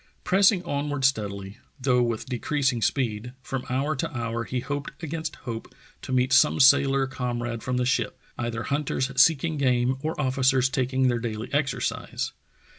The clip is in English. Pressing onward steadily, though with decreasing speed, from hour to hour he hoped against hope to meet some sailor comrade from the ship — either hunters seeking game or officers taking their daily exercise.